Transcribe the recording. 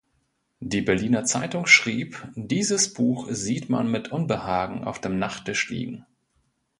Die Berliner Zeitung schrieb: „Dieses Buch sieht man mit Unbehagen auf dem Nachttisch liegen.